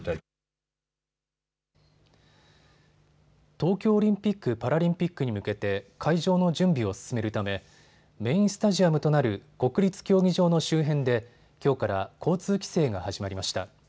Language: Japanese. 東京オリンピック・パラリンピックに向けて会場の準備を進めるためメインスタジアムとなる国立競技場の周辺で、きょうから交通規制が始まりました。